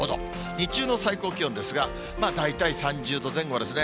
日中の最高気温ですが、大体３０度前後ですね。